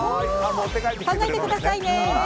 考えてくださいね。